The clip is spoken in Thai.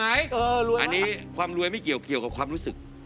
อันนี้ความรวยไม่เกี่ยวกับความรู้สึก